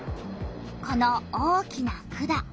この大きな管。